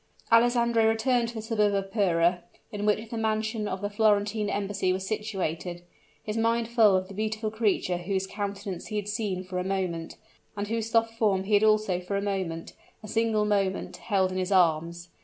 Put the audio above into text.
Alessandro returned to the suburb of Pera, in which the mansion of the Florentine Embassy was situated his mind full of the beautiful creature whose countenance he had seen for a moment, and whose soft form he had also for a moment a single moment held in his arms.